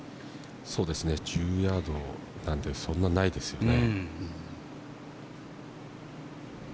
そうですね１０ヤードなのでそんなにないですよね。